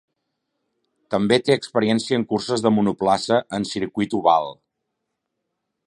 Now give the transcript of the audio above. També té experiència en curses de monoplaça en circuit oval.